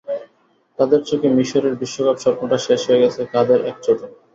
তাদের চোখে মিসরের বিশ্বকাপ স্বপ্নটা শেষ হয়ে গেছে কাঁধের এক চোটে।